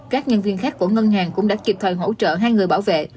các nhân viên khác của ngân hàng cũng đã kịp thời hỗ trợ hai người bảo vệ